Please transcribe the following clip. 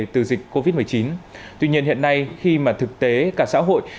từ dịch covid một mươi chín tuy nhiên hiện nay khi mà thực tế cả xã hội